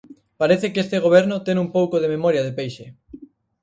Parece que este goberno ten un pouco de memoria de peixe.